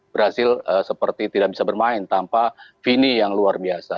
brazil seperti tidak bisa bermain tanpa vini yang luar biasa